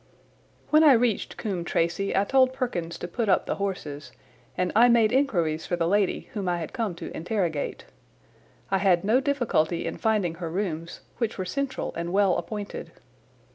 When I reached Coombe Tracey I told Perkins to put up the horses, and I made inquiries for the lady whom I had come to interrogate. I had no difficulty in finding her rooms, which were central and well appointed.